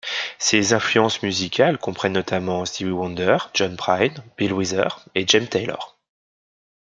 Ses influences musicales comprennent notamment Stevie Wonder, John Prine, Bill Withers et James Taylor.